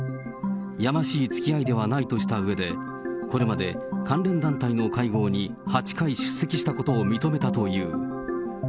やましいつきあいではないとしたうえで、これまで関連団体の会合に８回出席したことを認めたという。